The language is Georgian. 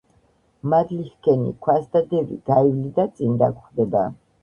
მადლი ჰქენი, ქვას დადევი, გაივლი და წინ დაგხვდება